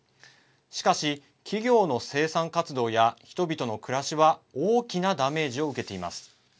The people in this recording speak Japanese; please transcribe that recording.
しかし、企業の生産活動や人々の暮らしは大きなダメージを受けています。